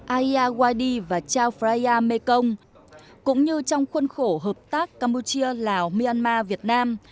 aya wadi và chao phraya mekong cũng như trong khuôn khổ hợp tác campuchia lào myanmar việt nam